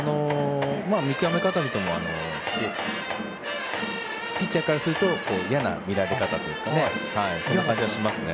見極め方を見てもピッチャーからすると嫌な見られ方という感じがしますね。